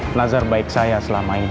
nazar baik saya selama ini